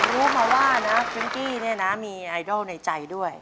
รู้มาว่านะฟิงกี้เนี่ยนะมีไอดอลในใจด้วย